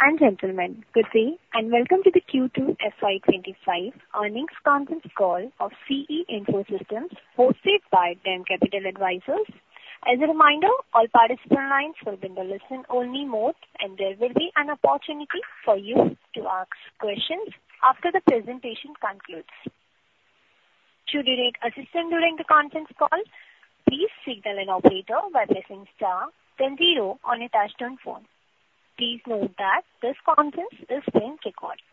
Ladies and gentlemen, good day and welcome to the Q2 FY 2025 earnings conference call of C.E. Info Systems, hosted by DAM Capital Advisors. As a reminder, all participant lines will be in the listen-only mode, and there will be an opportunity for you to ask questions after the presentation concludes. To direct assistance during the conference call, please signal an operator by pressing star, then zero on a touch-tone phone. Please note that this conference is being recorded.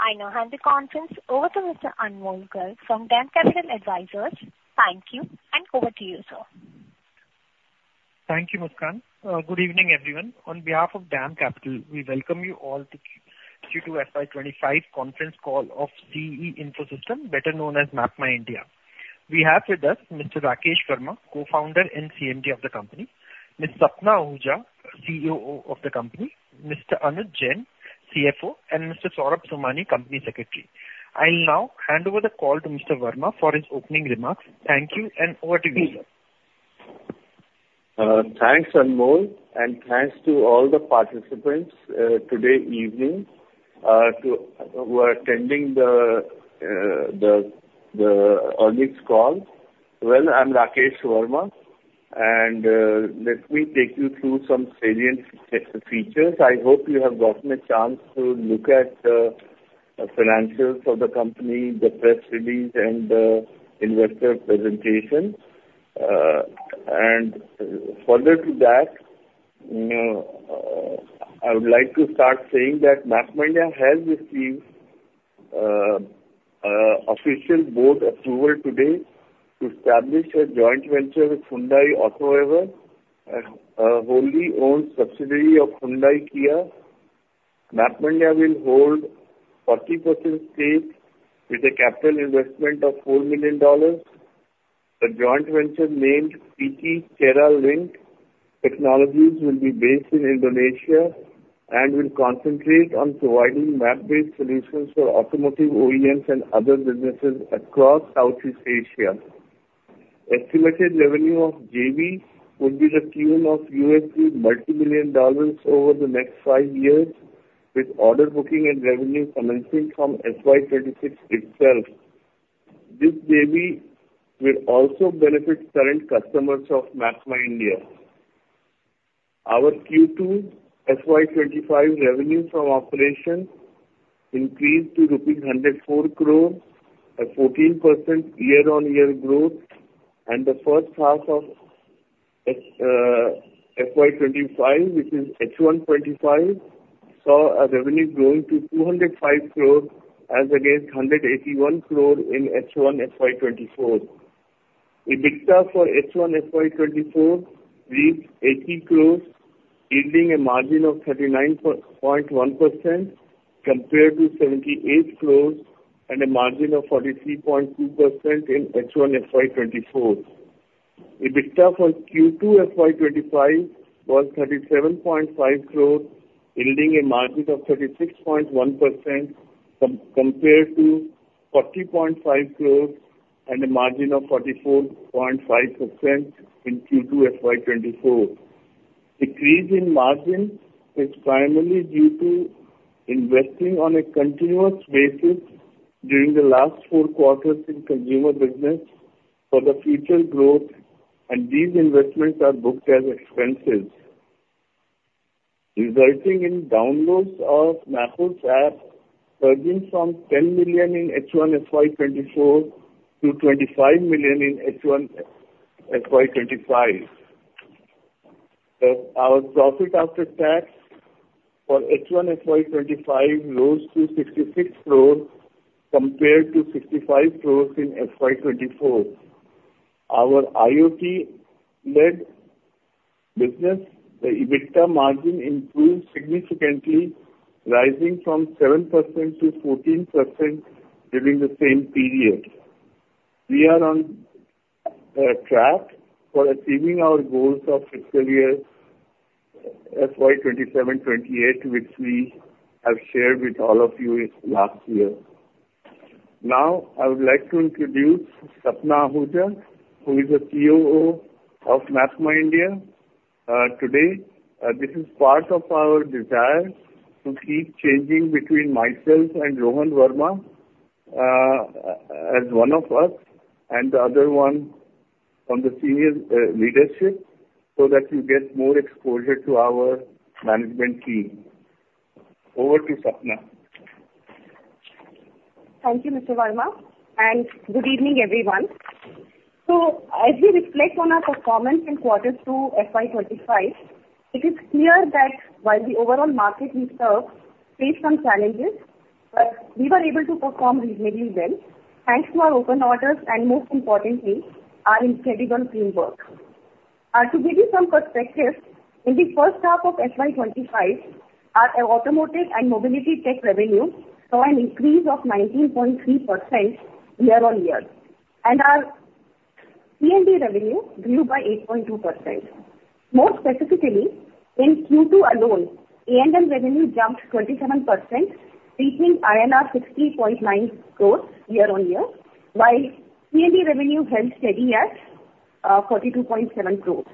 I now hand the conference over to Mr. Anmol Garg from DAM Capital Advisors. Thank you, and over to you, sir. Thank you, Muskan. Good evening, everyone. On behalf of DAM Capital, we welcome you all to Q2 FY2025 conference call of C.E. Info Systems, better known as MapmyIndia. We have with us Mr. Rakesh Verma, co-founder and CMD of the company, Ms. Sapna Ahuja, CEO of the company, Mr. Anuj Jain, CFO, and Mr. Saurabh Somani, company secretary. I'll now hand over the call to Mr. Verma for his opening remarks. Thank you, and over to you, sir. Thanks, Anmol, and thanks to all the participants this evening who are attending the earnings call. I'm Rakesh Verma, and let me take you through some salient features. I hope you have gotten a chance to look at the financials of the company, the press release, and the investor presentation. Further to that, I would like to start saying that MapmyIndia has received official board approval today to establish a joint venture with Hyundai AutoEver, a wholly-owned subsidiary of Hyundai Kia. MapmyIndia will hold 40% stake with a capital investment of $4 million. A joint venture named PT Terra Link Technologies will be based in Indonesia and will concentrate on providing map-based solutions for automotive OEMs and other businesses across Southeast Asia. Estimated revenue of JV would be to the tune of multimillion USD over the next five years, with order booking and revenue recognition from FY 2026 itself. This JV will also benefit current customers of MapmyIndia. Our Q2 FY 2025 revenue from operations increased to rupees 104 crore, a 14% year-on-year growth, and the first half of FY 2025, which is H1 2025, saw a revenue growing to 205 crore, as against 181 crore in H1 FY 2024. EBITDA for H1 FY 2025 reached 80 crore, yielding a margin of 39.1% compared to INR 78 crore, and a margin of 43.2% in H1 FY 2024. EBITDA for Q2 FY 2025 was INR 37.5 crore, yielding a margin of 36.1% compared to 40.5 crore, and a margin of 44.5% in Q2 FY 2024. Decrease in margin is primarily due to investing on a continuous basis during the last four quarters in consumer business for the future growth, and these investments are booked as expenses, resulting in downloads of Mappls app surging from 10 million in H1 FY 2024 to 25 million in H1 FY 2025. Our profit after tax for H1 FY 2025 rose to 66 crore compared to 65 crore in FY 2024. Our IoT-led business, the EBITDA margin improved significantly, rising from 7%-14% during the same period. We are on track for achieving our goals of fiscal year FY 2027-2028, which we have shared with all of you last year. Now, I would like to introduce Sapna Ahuja, who is the COO of MapmyIndia. Today, this is part of our desire to keep changing between myself and Rohan Verma as one of us and the other one from the senior leadership so that you get more exposure to our management team. Over to Sapna. Thank you, Mr. Verma, and good evening, everyone. As we reflect on our performance in Q2 FY 2025, it is clear that while the overall market we served faced some challenges, we were able to perform reasonably well thanks to our open orders and, most importantly, our incredible teamwork. To give you some perspective, in the first half of FY 2025, our automotive and mobility tech revenues saw an increase of 19.3% year-on-year, and our C&E revenue grew by 8.2%. More specifically, in Q2 alone, A&M revenue jumped 27%, reaching INR 60.9 crore year-on-year, while C&E revenue held steady at 42.7 crore.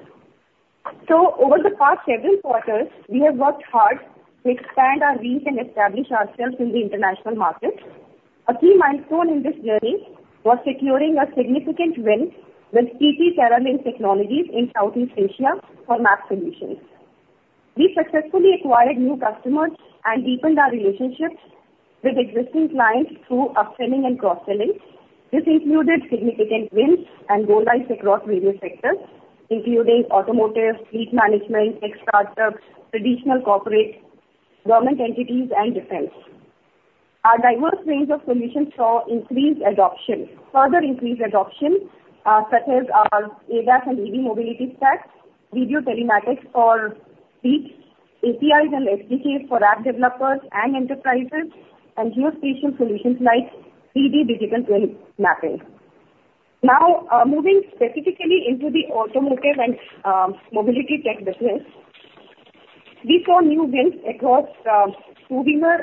Over the past several quarters, we have worked hard to expand our reach and establish ourselves in the international markets. A key milestone in this journey was securing a significant win with PT Terra Link Technologies in Southeast Asia for map solutions. We successfully acquired new customers and deepened our relationships with existing clients through upselling and cross-selling. This included significant wins and go-lives across various sectors, including automotive, fleet management, tech startups, traditional corporate, government entities, and defense. Our diverse range of solutions saw increased adoption, further such as our ADAS and EV mobility stacks, video telematics for fleets, APIs and SDKs for app developers and enterprises, and geospatial solutions like 3D digital twin mapping. Now, moving specifically into the automotive and mobility tech business, we saw new wins across two-wheeler,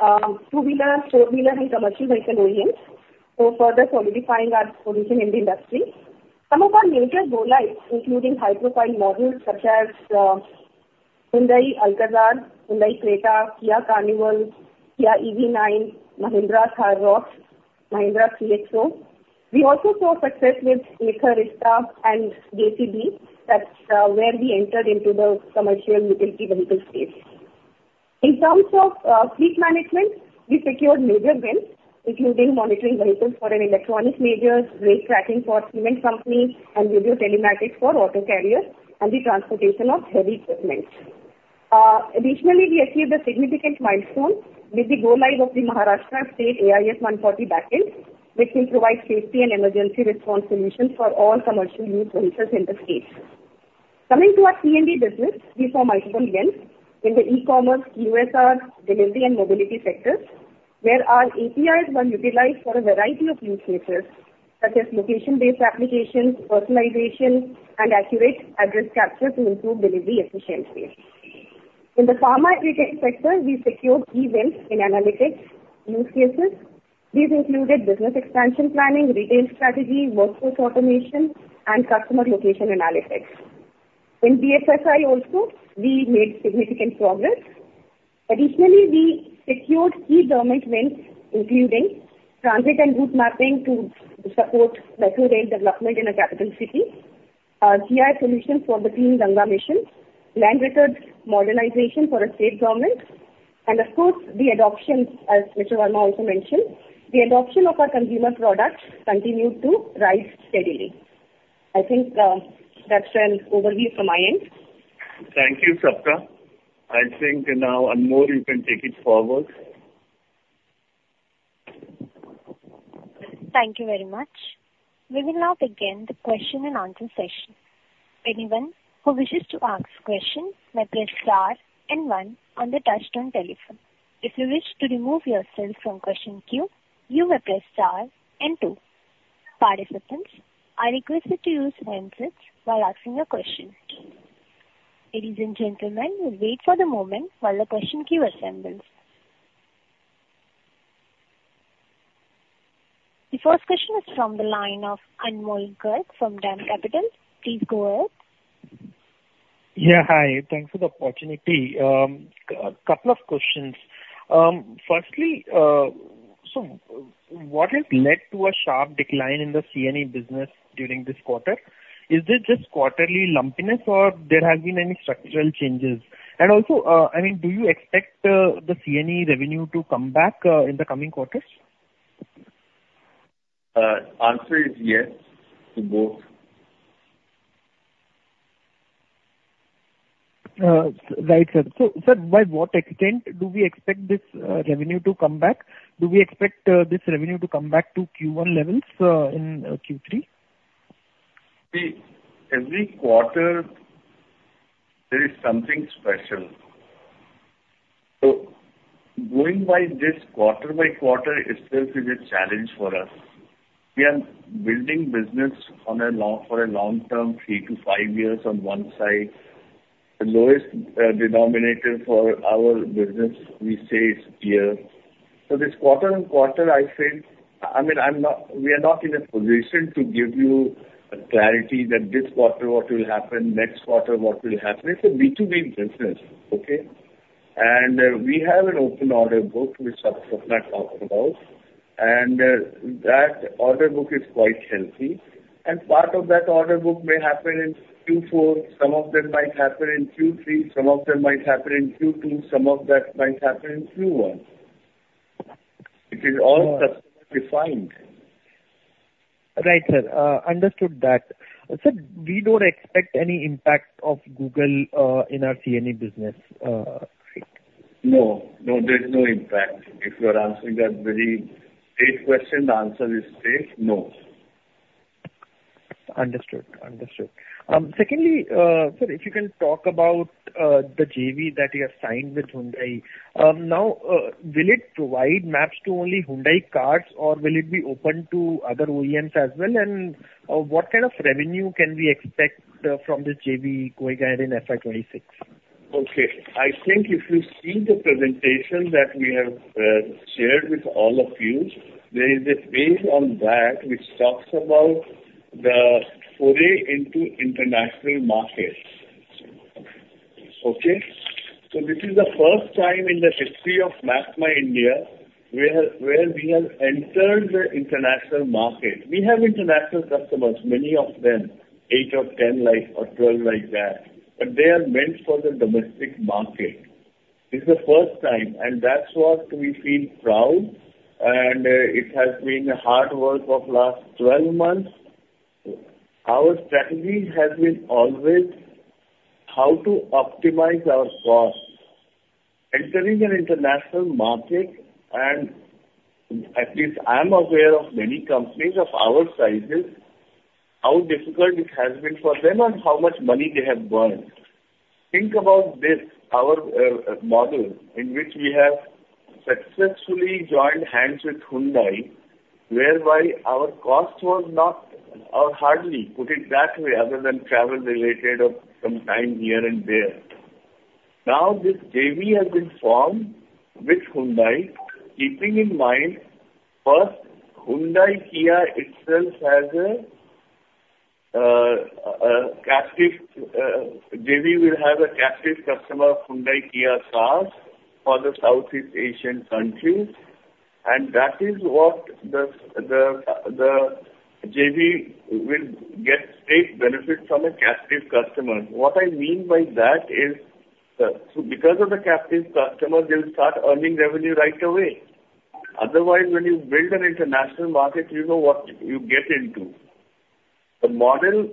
four-wheeler, and commercial vehicle OEMs, so further solidifying our position in the industry. Some of our major go-lives, including high-profile models such as Hyundai Alcazar, Hyundai Creta, Kia Carnival, Kia EV9, Mahindra Thar ROXX, Mahindra XUV 3XO. We also saw success with Acer, Eicher, and JCB, where we entered into the commercial utility vehicle space. In terms of fleet management, we secured major wins, including monitoring vehicles for an electronics major, rate tracking for cement companies, and video telematics for auto carriers and the transportation of heavy equipment. Additionally, we achieved a significant milestone with the go-live of the Maharashtra State AIS 140 backend, which will provide safety and emergency response solutions for all commercial use vehicles in the state. Coming to our C&E business, we saw multiple wins in the e-commerce, USR, delivery, and mobility sectors, where our APIs were utilized for a variety of use cases, such as location-based applications, personalization, and accurate address capture to improve delivery efficiency. In the pharma sector, we secured key wins in analytics use cases. These included business expansion planning, retail strategy, workforce automation, and customer location analytics. In BFSI also, we made significant progress. Additionally, we secured key government wins, including transit and route mapping to support metro rail development in a capital city, GI solutions for the Clean Ganga mission, land records modernization for a state government, and, of course, the adoption, as Mr. Verma also mentioned, the adoption of our consumer products continued to rise steadily. I think that's an overview from my end. Thank you, Sapna. I think now, Anmol, you can take it forward. Thank you very much. We will now begin the question-and-answer session. Anyone who wishes to ask a question may press star and one on the touchtone telephone. If you wish to remove yourself from question queue, you may press star and two. Participants, I request you to use handsets while asking your question. Ladies and gentlemen, we'll wait for the moment while the question queue assembles. The first question is from the line of Anmol Garg from DAM Capital. Please go ahead. Yeah, hi. Thanks for the opportunity. A couple of questions. Firstly, so what has led to a sharp decline in the C&E business during this quarter? Is this just quarterly lumpiness, or there have been any structural changes? And also, I mean, do you expect the C&E revenue to come back in the coming quarters? Answer is yes to both. Right, sir. So, sir, by what extent do we expect this revenue to come back? Do we expect this revenue to come back to Q1 levels in Q3? See, every quarter, there is something special. So going by this quarter-by-quarter itself is a challenge for us. We are building business for a long-term, three to five years on one side. The lowest denominator for our business, we say, is year. So this quarter-on-quarter, I think, I mean, we are not in a position to give you a clarity that this quarter what will happen, next quarter what will happen. It's a B2B business, okay? And we have an open order book, which Sapna talked about, and that order book is quite healthy. And part of that order book may happen in Q4. Some of them might happen in Q3. Some of them might happen in Q2. Some of that might happen in Q1. It is all customer-defined. Right, sir. Understood that. Sir, we don't expect any impact of Google in our C&E business, right? No, no, there's no impact. If you're answering that very straight question, the answer is straight, no. Understood, understood. Secondly, sir, if you can talk about the JV that you have signed with Hyundai. Now, will it provide maps to only Hyundai cars, or will it be open to other OEMs as well? And what kind of revenue can we expect from this JV going ahead in FY26? Okay. I think if you see the presentation that we have shared with all of you, there is a page on that which talks about the foray into international markets. Okay? So this is the first time in the history of MapmyIndia where we have entered the international market. We have international customers, many of them, eight or 10 or 12 like that, but they are meant for the domestic market. This is the first time, and that's what we feel proud of, and it has been the hard work of the last 12 months. Our strategy has been always how to optimize our costs. Entering an international market, and at least I'm aware of many companies of our sizes, how difficult it has been for them and how much money they have burned. Think about this, our model in which we have successfully joined hands with Hyundai, whereby our cost was not hardly, put it that way, other than travel related or some time here and there. Now, this JV has been formed with Hyundai, keeping in mind, first, Hyundai Kia itself has a captive JV, will have a captive customer of Hyundai Kia cars for the Southeast Asian countries, and that is what the JV will get straight benefit from a captive customer. What I mean by that is, because of the captive customer, they'll start earning revenue right away. Otherwise, when you build an international market, you know what you get into. The model,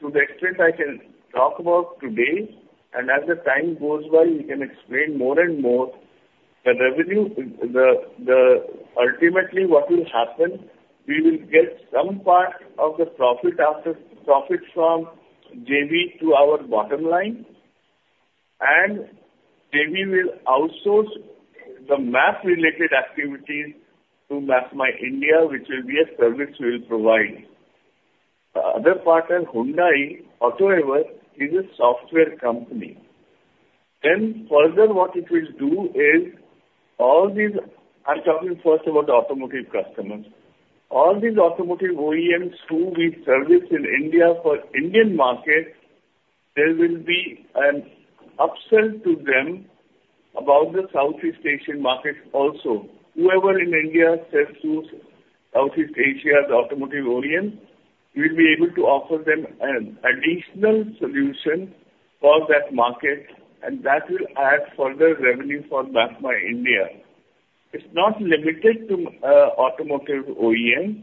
to the extent I can talk about today, and as the time goes by, we can explain more and more, the revenue, ultimately, what will happen, we will get some part of the profit from JV to our bottom line, and JV will outsource the map-related activities to MapmyIndia, which will be a service we'll provide. The other part is Hyundai AutoEver is a software company. Then further, what it will do is, all these I'm talking first about automotive customers. All these automotive OEMs who we service in India for Indian markets, there will be an upsell to them about the Southeast Asian market also. Whoever in India sells to Southeast Asia the automotive OEM, we'll be able to offer them an additional solution for that market, and that will add further revenue for MapmyIndia. It's not limited to automotive OEM.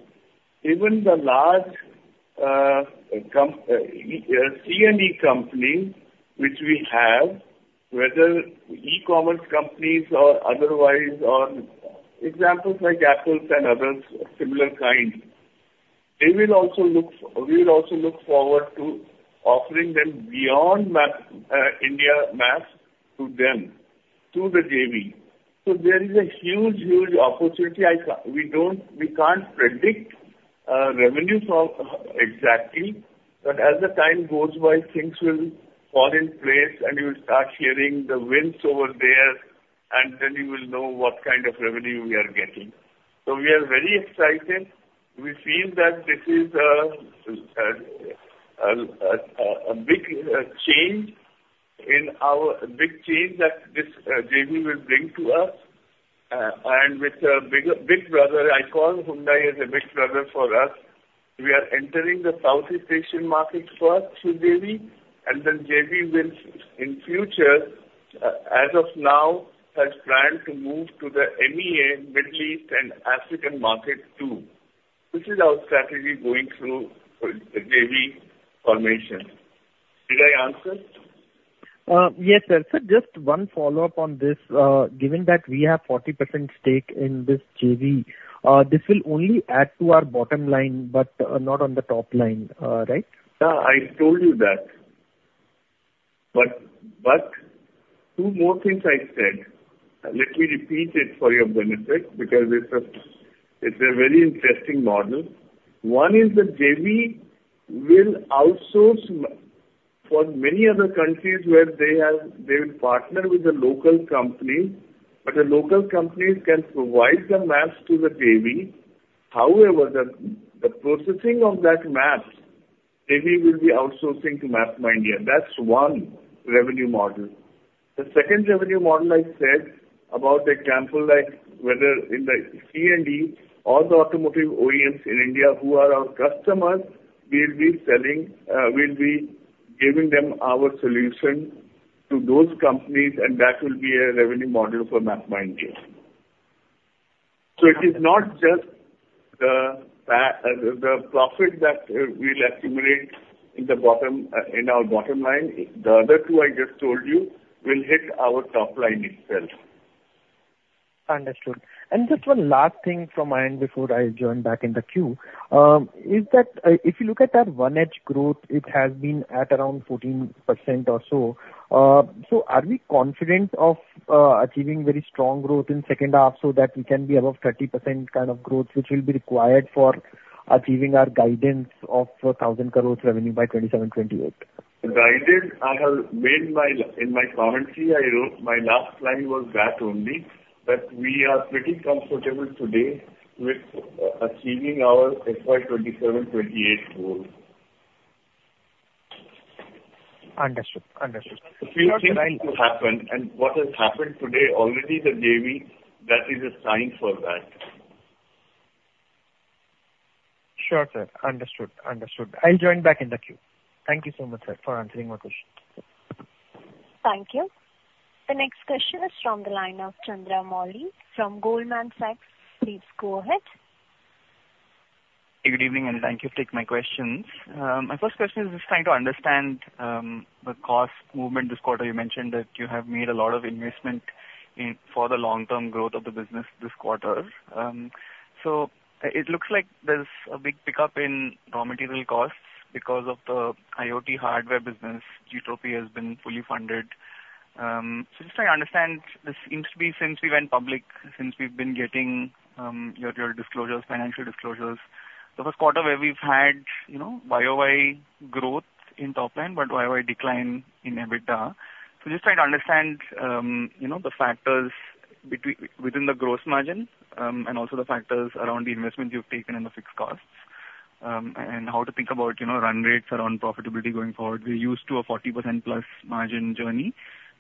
Even the large C&E company, which we have, whether e-commerce companies or otherwise, or examples like Apple and others of similar kind, they will also look forward to offering them beyond India maps to them, to the JV. So there is a huge, huge opportunity. We can't predict revenue exactly, but as the time goes by, things will fall in place, and you will start hearing the wins over there, and then you will know what kind of revenue we are getting. So we are very excited. We feel that this is a big change in our big change that this JV will bring to us. And with the big brother, I call Hyundai as a big brother for us. We are entering the Southeast Asian market first through JV, and then JV will, in future, as of now, has planned to move to the MEA, Middle East, and Africa market too. This is our strategy going through JV formation. Did I answer? Yes, sir. Sir, just one follow-up on this. Given that we have 40% stake in this JV, this will only add to our bottom line, but not on the top line, right? Yeah, I told you that. But two more things I said. Let me repeat it for your benefit because it's a very interesting model. One is that JV will outsource for many other countries where they will partner with the local companies, but the local companies can provide the maps to the JV. However, the processing of that map, JV will be outsourcing to MapmyIndia. That's one revenue model. The second revenue model I said about example like whether in the C&E or the automotive OEMs in India who are our customers, we'll be giving them our solution to those companies, and that will be a revenue model for MapmyIndia. So it is not just the profit that we'll accumulate in our bottom line. The other two I just told you will hit our top line itself. Understood. And just one last thing from my end before I join back in the queue. If you look at that one-digit growth, it has been at around 14% or so. So are we confident of achieving very strong growth in the second half so that we can be above 30% kind of growth, which will be required for achieving our guidance of 1,000 crores revenue by 2027-28? Guidance, I have made in my commentary, my last line was that only, that we are pretty comfortable today with achieving our FY 2027-28 goal. Understood, understood. The future will happen, and what has happened today, already the JV, that is a sign for that. Sure, sir. Understood, understood. I'll join back in the queue. Thank you so much, sir, for answering my question. Thank you. The next question is from the line of Chandramouli Muthiah from Goldman Sachs. Please go ahead. Good evening, and thank you for taking my questions. My first question is just trying to understand the cost movement this quarter. You mentioned that you have made a lot of investment for the long-term growth of the business this quarter. So it looks like there's a big pickup in raw material costs because of the IoT hardware business. Utopia has been fully funded. So just trying to understand, this seems to be since we went public, since we've been getting your disclosures, financial disclosures, the first quarter where we've had YoY growth in top line, but YoY decline in EBITDA. So just trying to understand the factors within the gross margin and also the factors around the investment you've taken in the fixed costs and how to think about run rates around profitability going forward. We're used to a 40%+ margin journey,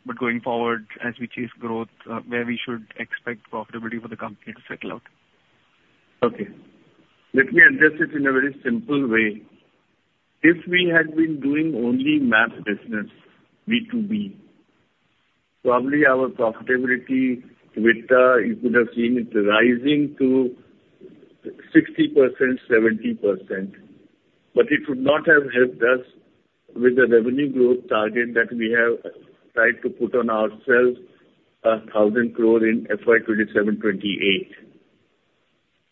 but going forward, as we chase growth, where we should expect profitability for the company to settle out? Okay. Let me address it in a very simple way. If we had been doing only map business, B2B, probably our profitability with the, you could have seen it rising to 60%, 70%. But it would not have helped us with the revenue growth target that we have tried to put on ourselves, 1,000 crore in FY 2027-28.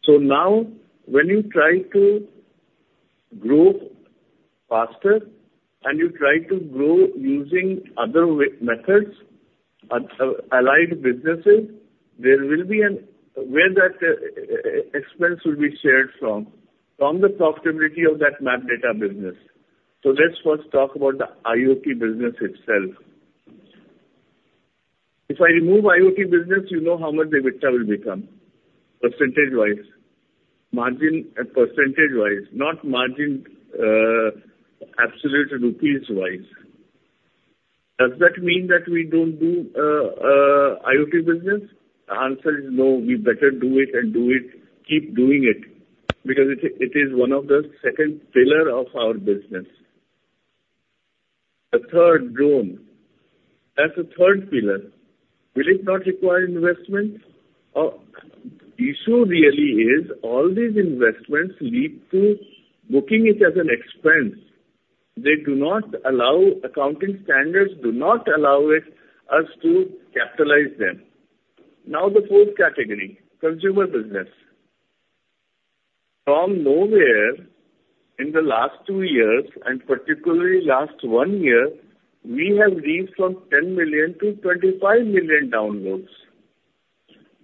So now, when you try to grow faster and you try to grow using other methods, allied businesses, there will be an area where that expense will be shared from, from the profitability of that map data business. So let's first talk about the IoT business itself. If I remove IoT business, you know how much the EBITDA will become, percentage-wise, margin percentage-wise, not margin absolute rupees-wise. Does that mean that we don't do IoT business? The answer is no. We better do it and do it, keep doing it because it is one of the second pillars of our business. The third drone, as a third pillar, will it not require investment? The issue really is all these investments lead to booking it as an expense. They do not allow. Accounting standards do not allow us to capitalize them. Now, the fourth category, consumer business. From nowhere, in the last two years, and particularly last one year, we have reached from 10 million to 25 million downloads.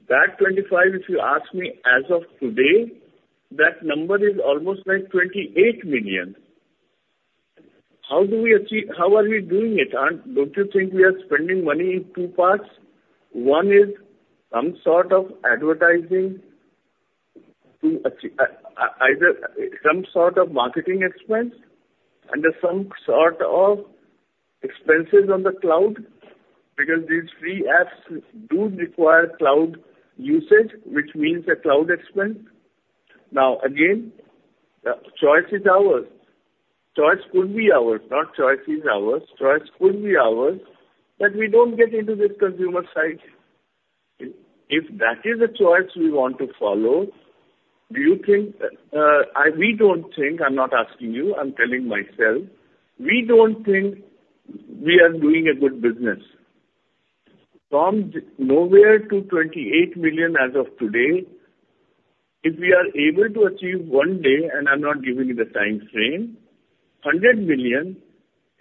That 25, if you ask me as of today, that number is almost like 28 million. How do we achieve? How are we doing it? Don't you think we are spending money in two parts? One is some sort of advertising to either some sort of marketing expense and some sort of expenses on the cloud because these free apps do require cloud usage, which means a cloud expense. Now, again, the choice is ours. Choice could be ours. Not choice is ours. Choice could be ours, but we don't get into this consumer side. If that is a choice we want to follow, do you think we don't think? I'm not asking you. I'm telling myself. We don't think we are doing a good business. From nowhere to 28 million as of today, if we are able to achieve one day, and I'm not giving you the time frame, 100 million,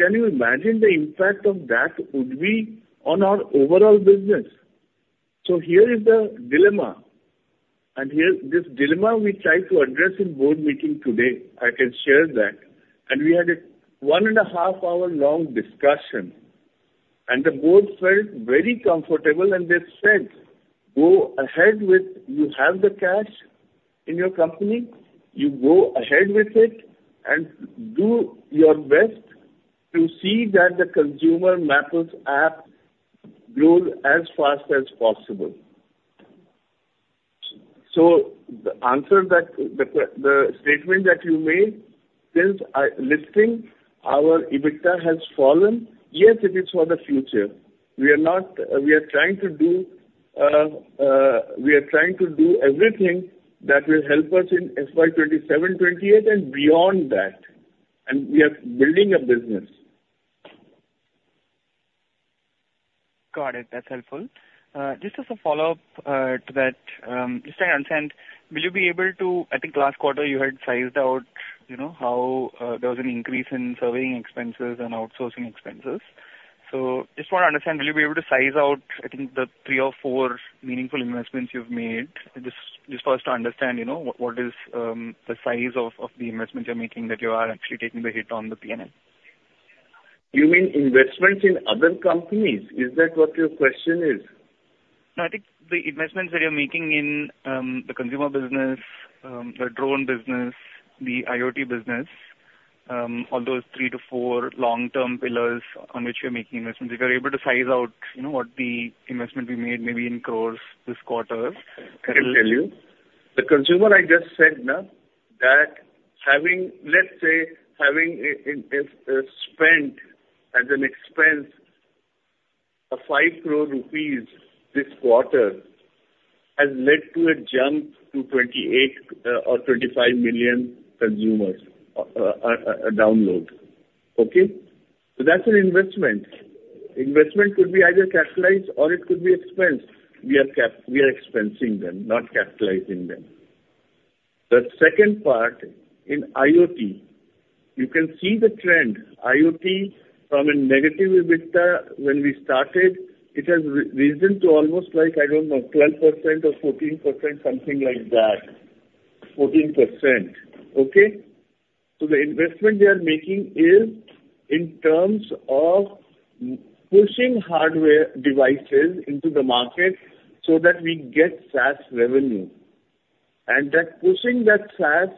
can you imagine the impact of that would be on our overall business? So here is the dilemma. This dilemma we tried to address in board meeting today. I can share that. We had a one and a half hour long discussion, and the board felt very comfortable, and they said, "Go ahead, you have the cash in your company. You go ahead with it and do your best to see that the consumer maps app grow as fast as possible." So, the statement that you made since listing our EBITDA has fallen, yes, it is for the future. We are trying to do everything that will help us in FY 27-28 and beyond that. We are building a business. Got it. That's helpful. Just as a follow-up to that, just trying to understand, will you be able to? I think last quarter you had sized out how there was an increase in surveying expenses and outsourcing expenses. So just want to understand, will you be able to size out, I think, the three or four meaningful investments you've made? Just first to understand what is the size of the investment you're making that you are actually taking the hit on the P&L? You mean investments in other companies? Is that what your question is? No, I think the investments that you're making in the consumer business, the drone business, the IoT business, all those three to four long-term pillars on which you're making investments, if you're able to size out what the investment we made maybe in crores this quarter. I can tell you. The consumer, I just said now, that having, let's say, spent as an expense of 5 crore rupees this quarter has led to a jump to 28 or 25 million consumer downloads. Okay? So that's an investment. Investment could be either capitalized or it could be expensed. We are expensing them, not capitalizing them. The second part in IoT, you can see the trend. IoT, from a negative EBITDA, when we started, it has risen to almost like, I don't know, 12% or 14%, something like that. 14%. Okay? So the investment we are making is in terms of pushing hardware devices into the market so that we get SaaS revenue. And that pushing that SaaS,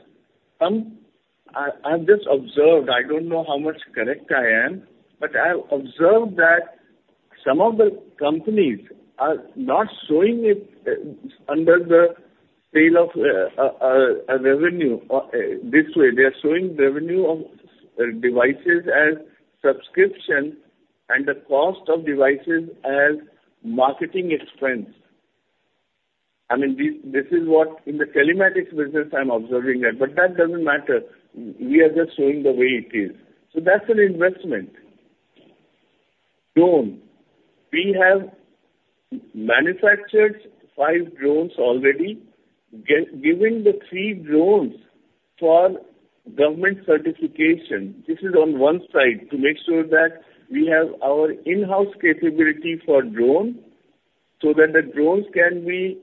I've just observed. I don't know how much correct I am, but I've observed that some of the companies are not showing it under the sale of revenue this way. They are showing revenue of devices as subscription and the cost of devices as marketing expense. I mean, this is what in the telematics business, I'm observing that. But that doesn't matter. We are just showing the way it is. So that's an investment. Drone. We have manufactured five drones already, giving the three drones for government certification. This is on one side to make sure that we have our in-house capability for drone so that the drones can be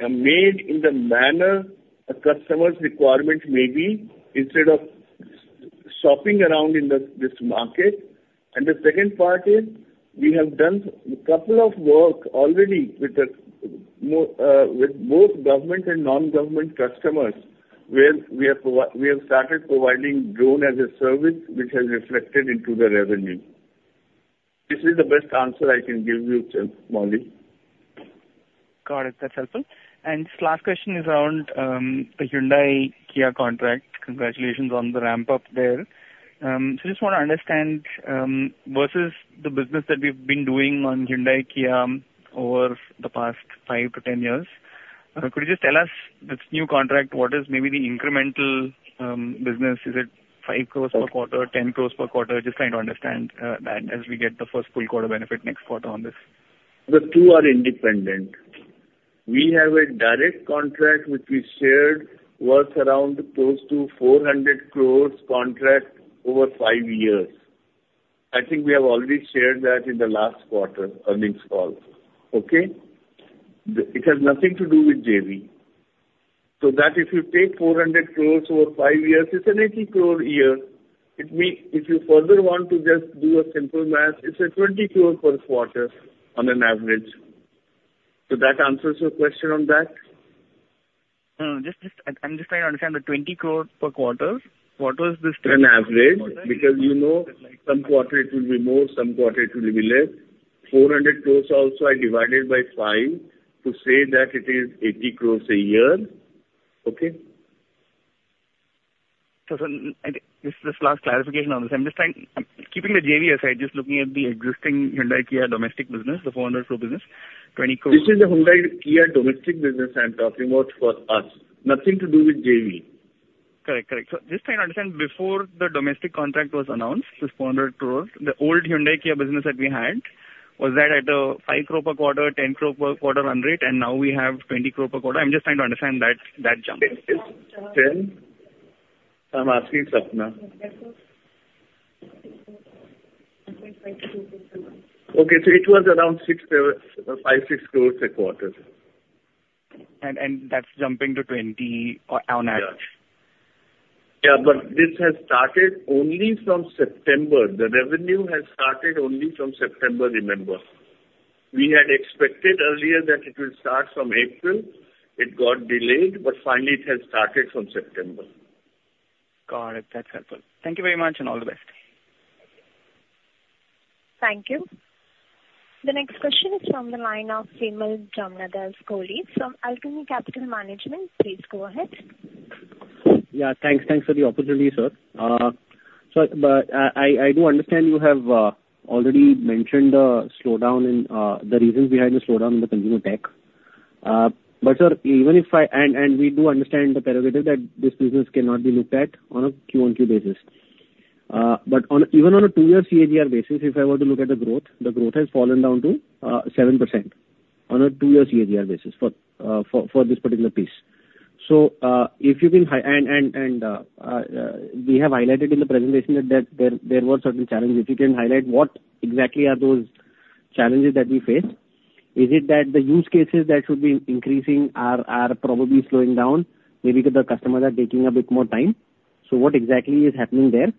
made in the manner a customer's requirement may be instead of shopping around in this market. And the second part is we have done a couple of work already with both government and non-government customers where we have started providing drone as a service, which has reflected into the revenue. This is the best answer I can give you, Chandramouli Muthiah. Got it. That's helpful. And just last question is around the Hyundai Kia contract. Congratulations on the ramp-up there. So just want to understand versus the business that we've been doing on Hyundai Kia over the past five to 10 years. Could you just tell us this new contract, what is maybe the incremental business? Is it 5 crores per quarter, 10 crores per quarter? Just trying to understand that as we get the first full quarter benefit next quarter on this. The two are independent. We have a direct contract which we shared worth around close to 400 crores contract over five years. I think we have already shared that in the last quarter earnings call. Okay? It has nothing to do with JV. So that if you take 400 crores over five years, it's an 80 crore a year. If you further want to just do a simple math, it's a 20 crore per quarter on an average. So that answers your question on that? Just trying to understand the 20 crore per quarter. What was this? On average because you know some quarter it will be more, some quarter it will be less. 400 crores also I divided by 5 to say that it is 80 crores a year. Okay? So just last clarification on this. I'm just trying keeping the JV aside, just looking at the existing Hyundai-Kia domestic business, the 400 crore business, INR 20 crore. This is the Hyundai Kia domestic business I'm talking about for us. Nothing to do with JV. Correct, correct. So just trying to understand before the domestic contract was announced, this 400 crore, the old Hyundai Kia business that we had, was that at a 5 crore per quarter, 10 crore per quarter run rate, and now we have 20 crore per quarter? I'm just trying to understand that jump. It's 10 crore. I'm asking Sapna. Okay, so it was around 5 crore- 6 crores a quarter. That's jumping to 20 on average. Yeah, but this has started only from September. The revenue has started only from September, remember. We had expected earlier that it will start from April. It got delayed, but finally it has started from September. Got it. That's helpful. Thank you very much and all the best. Thank you. The next question is from the line of [Gemmy Gulli] from Alchemy Capital Management. Please go ahead. Yeah, thanks. Thanks for the opportunity, sir. But I do understand you have already mentioned the slowdown in the reasons behind the slowdown in the consumer tech. But sir, even if I and we do understand the prerogative that this business cannot be looked at on a Q1, Q2 basis. But even on a two-year CAGR basis, if I were to look at the growth, the growth has fallen down to 7% on a two-year CAGR basis for this particular piece. So if you can and we have highlighted in the presentation that there were certain challenges. If you can highlight what exactly are those challenges that we face? Is it that the use cases that should be increasing are probably slowing down? Maybe the customers are taking a bit more time. So what exactly is happening there?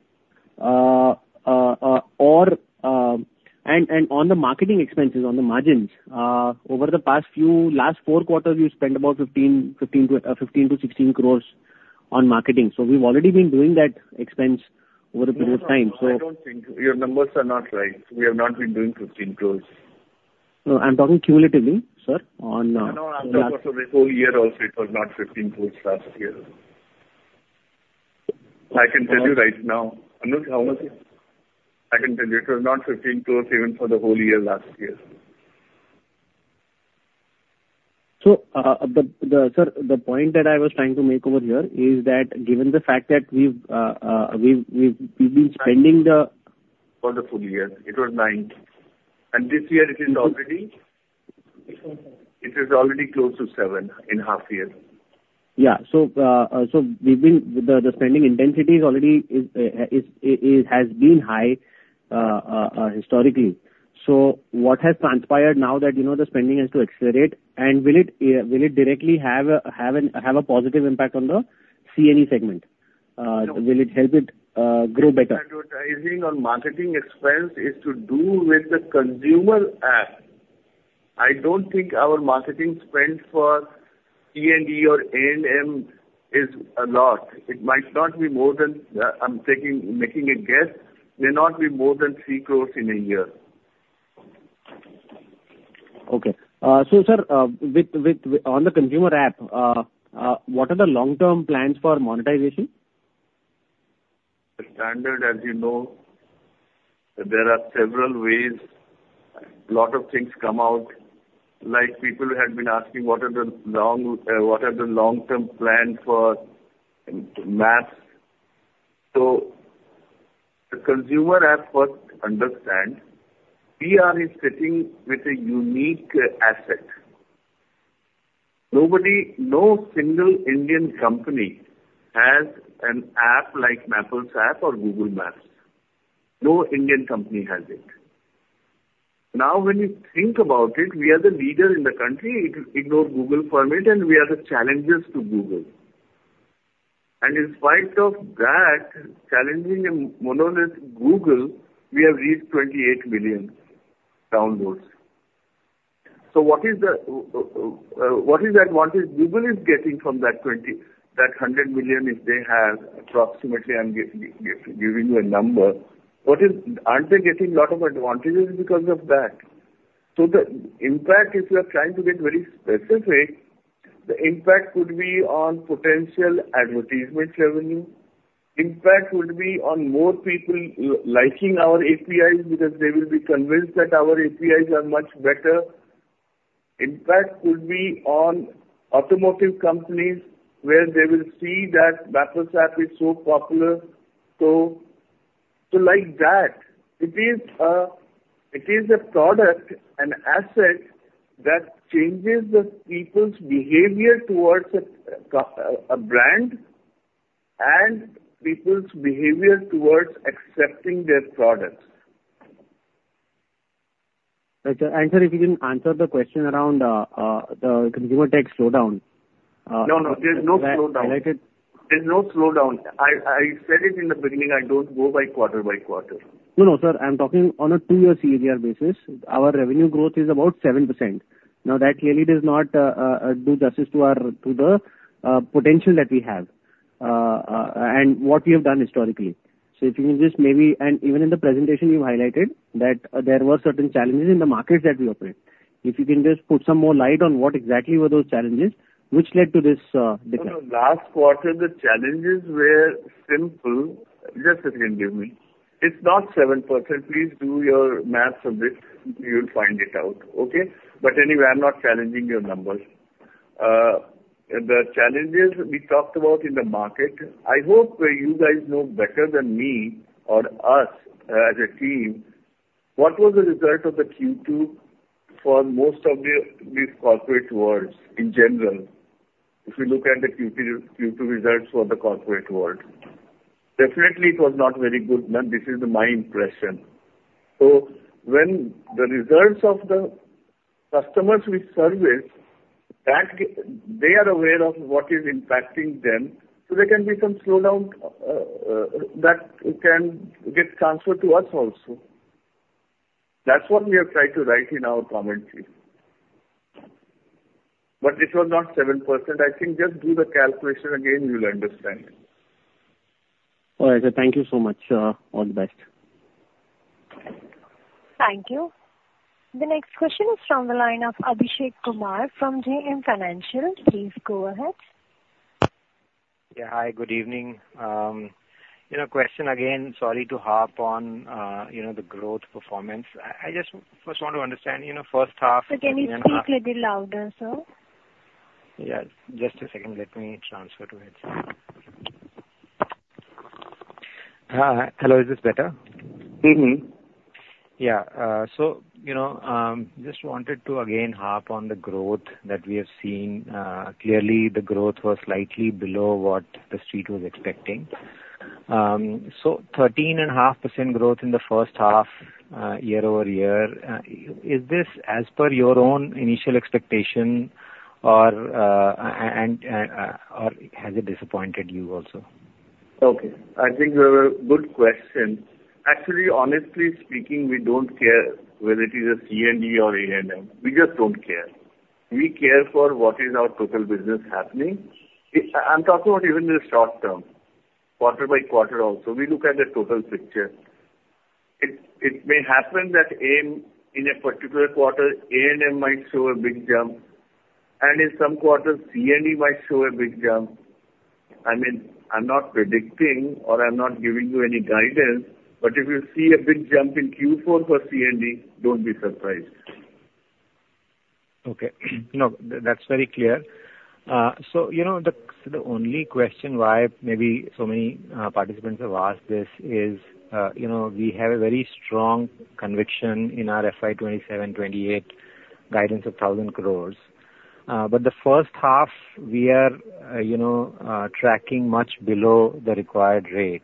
On the marketing expenses, on the margins, over the last four quarters, we've spent about 15 crore- 16 crore on marketing. We've already been doing that expense over a period of time. No, I don't think. Your numbers are not right. We have not been doing 15 crores. I'm talking cumulatively, sir, on. No, no. I'm talking for the whole year also. It was not 15 crores last year. I can tell you right now. How much? I can tell you. It was not 15 crores even for the whole year last year. So sir, the point that I was trying to make over here is that given the fact that we've been spending the. For the full year. It was nine. And this year it is already close to seven in half year. Yeah. So the spending intensity already has been high historically. So what has transpired now that the spending has to accelerate? And will it directly have a positive impact on the C&E segment? Will it help it grow better? I think our marketing expense is to do with the consumer app. I don't think our marketing spend for C&E or A&M is a lot. It might not be more than I'm making a guess. May not be more than 3 crores in a year. Okay. So sir, on the consumer app, what are the long-term plans for monetization? The standard, as you know, there are several ways. A lot of things come out. Like people had been asking what are the long-term plan for maps. So the consumer app, what I understand, we are sitting with a unique asset. No single Indian company has an app like Mappls app or Google Maps. No Indian company has it. Now, when you think about it, we are the leader in the country. Ignore Google for a minute, and we are the challengers to Google. And in spite of that, challenging and monolithic Google, we have reached 28 million downloads. So what is the advantage Google is getting from that 100 million if they have approximately I'm giving you a number. Aren't they getting a lot of advantages because of that? So the impact, if you're trying to get very specific, the impact would be on potential advertisement revenue. Impact would be on more people liking our APIs because they will be convinced that our APIs are much better. Impact would be on automotive companies where they will see that Mappls app is so popular. So like that, it is a product, an asset that changes the people's behavior towards a brand and people's behavior towards accepting their products. Sir, if you can answer the question around the consumer tech slowdown. No, no. There's no slowdown. I like it. There's no slowdown. I said it in the beginning, I don't go by quarter by quarter. No, no, sir. I'm talking on a two-year CAGR basis. Our revenue growth is about 7%. Now, that clearly does not do justice to the potential that we have and what we have done historically. So if you can just maybe, and even in the presentation, you've highlighted that there were certain challenges in the markets that we operate. If you can just put some more light on what exactly were those challenges, which led to this? Last quarter, the challenges were simple. Just a second, give me. It's not 7%. Please do your math a bit. You'll find it out. Okay? But anyway, I'm not challenging your numbers. The challenges we talked about in the market, I hope you guys know better than me or us as a team, what was the result of the Q2 for most of these corporate worlds in general? If you look at the Q2 results for the corporate world, definitely it was not very good. This is my impression. So when the results of the customers we service, they are aware of what is impacting them. So there can be some slowdown that can get transferred to us also. That's what we have tried to write in our commentary. But it was not 7%. I think just do the calculation again, you'll understand. All right. Thank you so much. All the best. Thank you. The next question is from the line of Abhishek Kumar from JM Financial. Please go ahead. Yeah. Hi, good evening. Question again. Sorry to harp on the growth performance. I just first want to understand first half. So can you speak a little louder, sir? Yeah. Just a second. Let me transfer to it. Hello. Is this better? Yeah. So just wanted to again harp on the growth that we have seen. Clearly, the growth was slightly below what the street was expecting. So 13.5% growth in the first half year over year. Is this, as per your own initial expectation, or has it disappointed you also? Okay. I think you have a good question. Actually, honestly speaking, we don't care whether it is a C&E or A&M. We just don't care. We care for what is our total business happening. I'm talking about even the short term, quarter by quarter also. We look at the total picture. It may happen that in a particular quarter, A&M might show a big jump. And in some quarters, C&E might show a big jump. I mean, I'm not predicting or I'm not giving you any guidance, but if you see a big jump in Q4 for C&E, don't be surprised. Okay. No, that's very clear. So the only question why maybe so many participants have asked this is we have a very strong conviction in our FY 2027-2028 guidance of 1,000 crores. But the first half, we are tracking much below the required rate.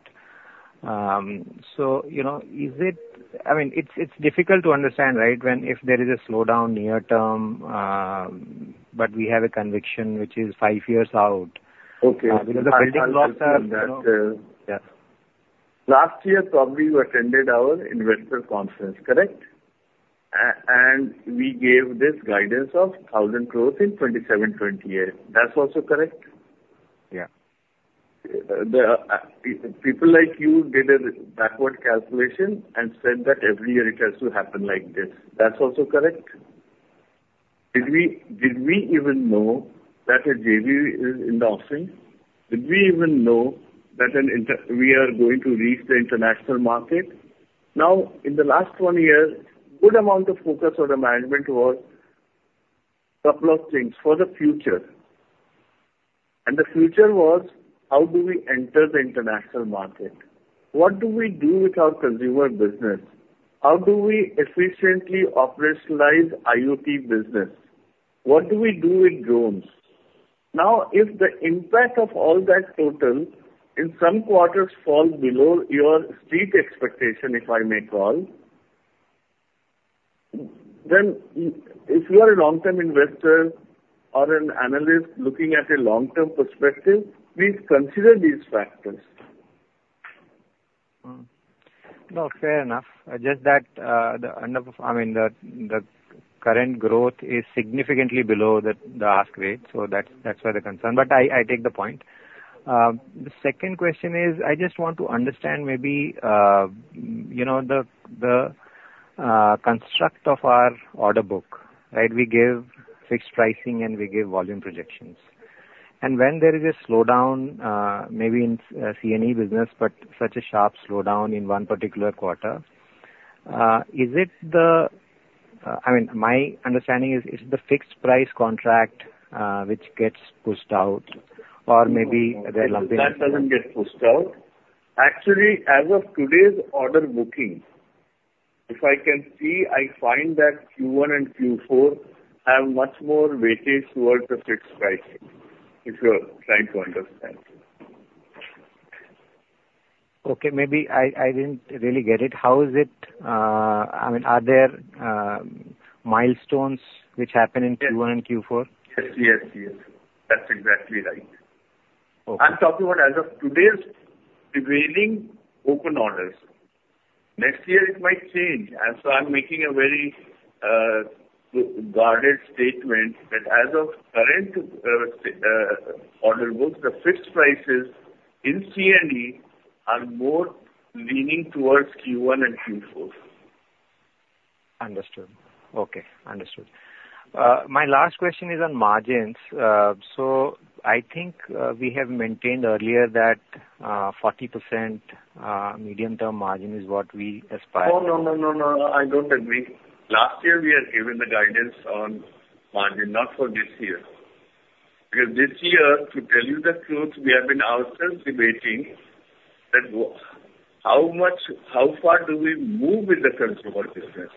So is it I mean, it's difficult to understand, right, if there is a slowdown near term, but we have a conviction which is five years out. Okay. Last year. Last year probably you attended our investor conference, correct? And we gave this guidance of 1,000 crores in 2027, 2028. That's also correct? Yeah. People like you did a backward calculation and said that every year it has to happen like this. That's also correct? Did we even know that a JV is in the offing? Did we even know that we are going to reach the international market? Now, in the last one year, good amount of focus on the management was a couple of things for the future, and the future was how do we enter the international market? What do we do with our consumer business? How do we efficiently operationalize IoT business? What do we do with drones? Now, if the impact of all that total in some quarters falls below your street expectation, if I may call, then if you are a long-term investor or an analyst looking at a long-term perspective, please consider these factors. No, fair enough. Just that the end of, I mean, the current growth is significantly below the ask rate. So that's where the concern. But I take the point. The second question is I just want to understand maybe the construct of our order book, right? We give fixed pricing and we give volume projections. And when there is a slowdown, maybe in C&E business, but such a sharp slowdown in one particular quarter, is it the, I mean, my understanding is it's the fixed price contract which gets pushed out or maybe they're lumping it. That doesn't get pushed out. Actually, as of today's order booking, if I can see, I find that Q1 and Q4 have much more weightage towards the fixed pricing, if you're trying to understand. Okay. Maybe I didn't really get it. How is it? I mean, are there milestones which happen in Q1 and Q4? Yes. Yes. Yes. That's exactly right. I'm talking about as of today's prevailing open orders. Next year, it might change. And so I'm making a very guarded statement that as of current order books, the fixed prices in C&E are more leaning towards Q1 and Q4. Understood. Okay. Understood. My last question is on margins. So I think we have maintained earlier that 40% medium-term margin is what we aspire to. Oh, no, no, no, no. I don't agree. Last year, we had given the guidance on margin, not for this year. Because this year, to tell you the truth, we have been out there debating how far do we move with the consumer business.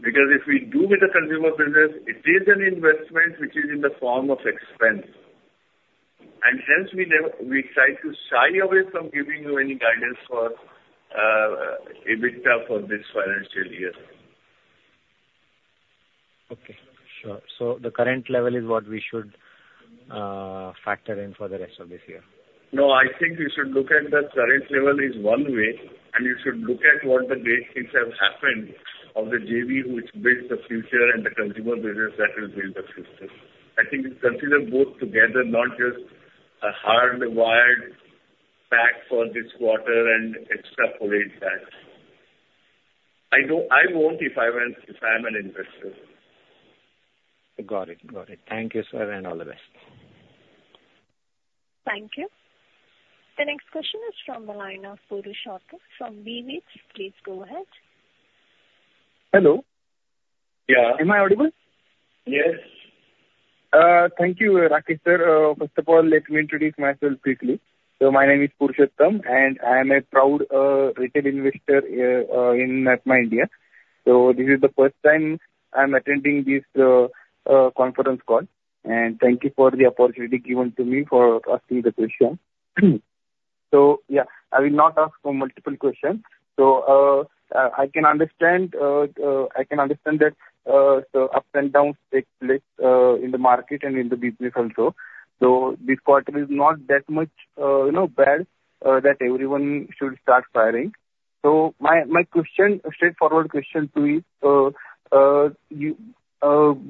Because if we do with the consumer business, it is an investment which is in the form of expense. And hence, we try to shy away from giving you any guidance for EBITDA for this financial year. Okay. Sure. So the current level is what we should factor in for the rest of this year? No, I think you should look at the current level is one way, and you should look at what great things have happened of the JV which builds the future and the consumer business that will build the future. I think you consider both together, not just a hardwired pack for this quarter and extrapolate that. I won't if I am an investor. Got it. Got it. Thank you, sir, and all the best. Thank you. The next question is from the line of [Bhushan Sharfa. From VV, please go ahead. Hello. Yeah. Am I audible? Yes. Thank you, Rakesh sir. First of all, let me introduce myself quickly. So my name is Bhushan Sharfa, and I am a proud retail investor in MapmyIndia. So this is the first time I'm attending this conference call. And thank you for the opportunity given to me for asking the question. So yeah, I will not ask multiple questions. So I can understand that ups and downs take place in the market and in the business also. So this quarter is not that much bad that everyone should start firing. So my straightforward question to you,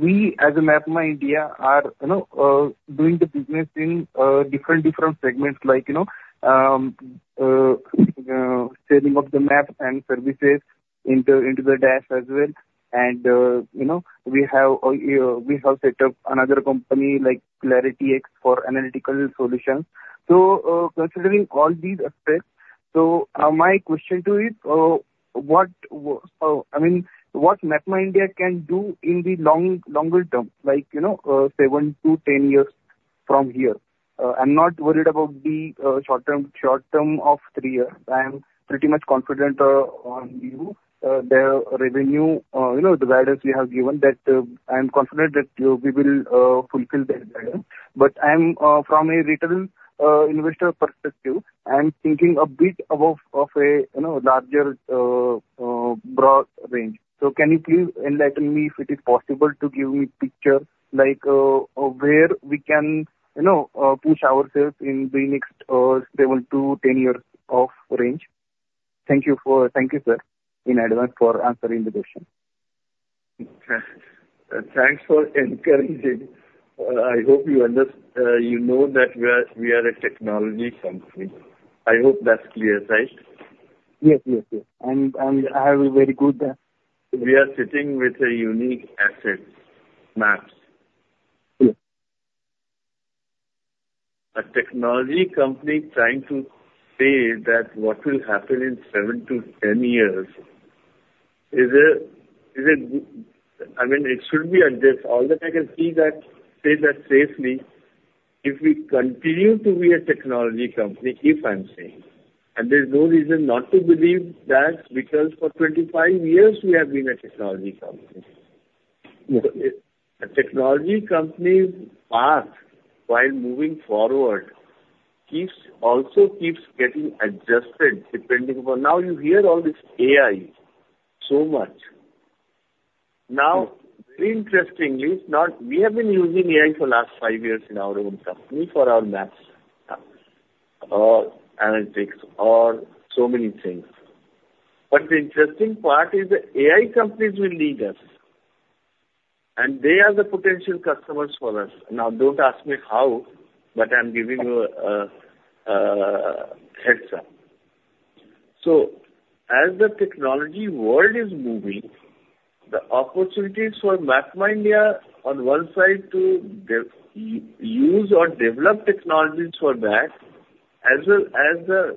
we as MapmyIndia are doing the business in different segments, like selling of the maps and services into the A&M as well. And we have set up another company like ClarityX for analytical solutions. So considering all these aspects, so my question to you is, I mean, what MapmyIndia can do in the longer term, like seven to 10 years from here? I'm not worried about the short term of three years. I am pretty much confident on you. The revenue guidance we have given, I am confident that we will fulfill that guidance. But from a retail investor perspective, I'm thinking a bit above a larger broad range. So can you please enlighten me if it is possible to give me a picture of where we can push ourselves in the next seven to 10 years of range? Thank you, sir, in advance for answering the question. Thanks for encouraging. I hope you know that we are a technology company. I hope that's clear, right? Yes. Yes. Yes. And I have a very good. We are sitting with a unique asset, maps. Yes. A technology company trying to say that what will happen in 7-10 years is. I mean, it should be addressed. All that I can say that safely, if we continue to be a technology company, if I'm saying, and there's no reason not to believe that because for 25 years, we have been a technology company. A technology company's path while moving forward also keeps getting adjusted depending on now you hear all this AI so much. Now, interestingly, we have been using AI for the last five years in our own company for our maps analytics or so many things. But the interesting part is the AI companies will lead us. And they are the potential customers for us. Now, don't ask me how, but I'm giving you a heads-up. So as the technology world is moving, the opportunities for MapMy India, on one side to use or develop technologies for that, as well as the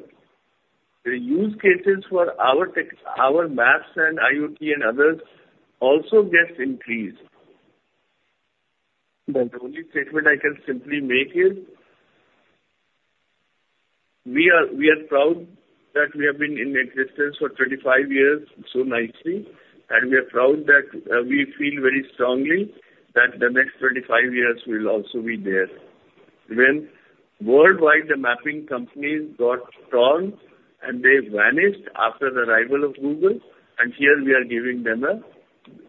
use cases for our maps and IoT and others also get increased. The only statement I can simply make is we are proud that we have been in existence for 25 years so nicely. And we are proud that we feel very strongly that the next 25 years will also be there. When worldwide, the mapping companies got torn and they vanished after the arrival of Google, and here we are giving them a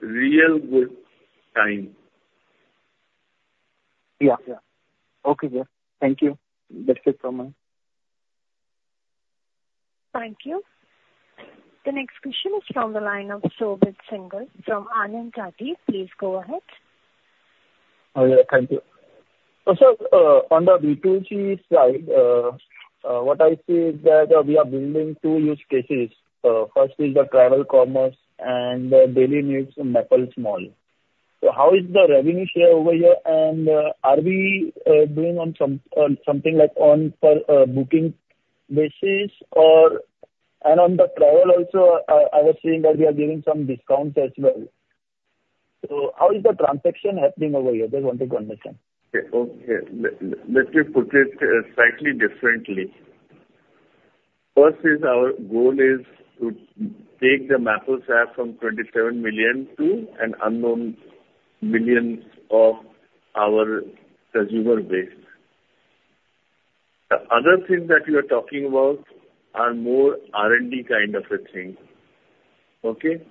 real good time. Yeah. Yeah. Okay, sir. Thank you. That's it from me. Thank you. The next question is from the line of Shobit Singhal from Anand Rathi. Please go ahead. Thank you. So on the B2G side, what I see is that we are building two use cases. First is the travel commerce and the daily needs Mappls Mall. So how is the revenue share over here? And are we doing something like on booking basis? And on the travel also, I was seeing that we are giving some discounts as well. So how is the transaction happening over here? Just wanted to understand. Okay. Let me put it slightly differently. First is our goal is to take the Mappls App from 27 million to an unknown million of our consumer base. The other thing that you are talking about are more R&D kind of a thing. Okay?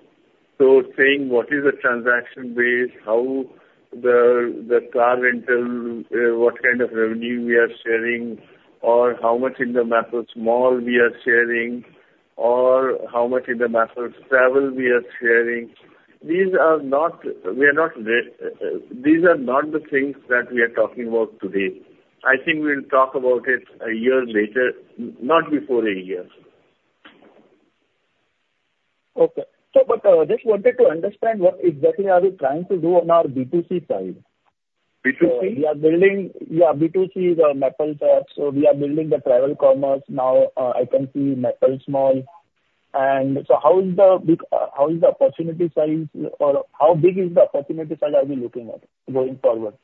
So saying what is the transaction base, how the car rental, what kind of revenue we are sharing, or how much in the Mappls Mall we are sharing, or how much in the Mappls Travel we are sharing. These are not the things that we are talking about today. I think we'll talk about it a year later, not before a year. Okay, but just wanted to understand what exactly are you trying to do on our B2C side? B2C? Yeah. B2C is Mappls App. So we are building the travel commerce. Now, I can see Mappls Mall. And so how is the opportunity size or how big is the opportunity size are we looking at going forward?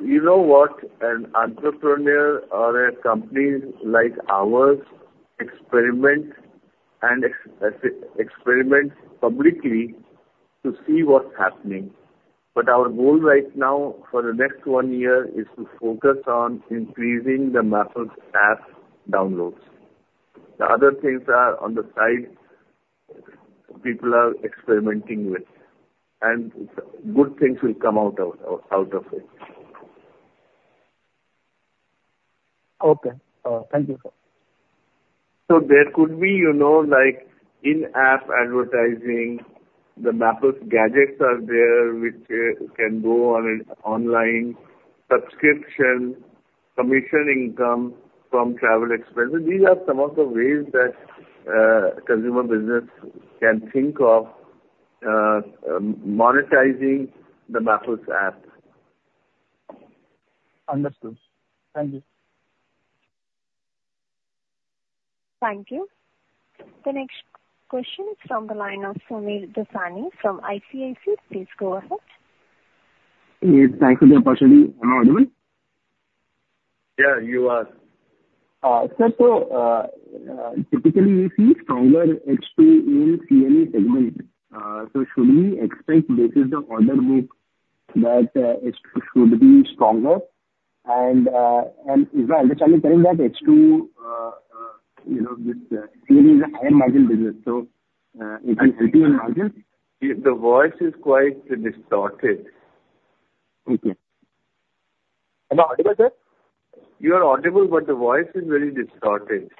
You know what? An entrepreneur or a company like ours experiments publicly to see what's happening, but our goal right now for the next one year is to focus on increasing the Mappls app downloads. The other things are on the side people are experimenting with, and good things will come out of it. Okay. Thank you, sir. There could be in-app advertising. The Mappls Gadgets are there which can go on an online subscription commission income from travel expenses. These are some of the ways that consumer business can think of monetizing the Mappls app. Understood. Thank you. Thank you. The next question is from the line of [Shobhit Singhal] from ICICI Securities. Please go ahead. Yes. Thank you for the opportunity. Hello, everyone. Yeah, you are. Sir, so typically, we see stronger H2 in C&E segment. So should we expect this is the order book that should be stronger? And if I understand you correctly, that H2 with C&E is a higher margin business. So it will help you in margin. The voice is quite distorted. Okay. Are you audible, sir? You are audible, but the voice is very distorted.